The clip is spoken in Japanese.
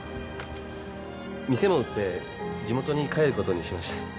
店も売って地元に帰ることにしました。